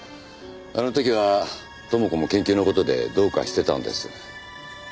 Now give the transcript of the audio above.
あの時は知子も研究の事でどうかしてたんです。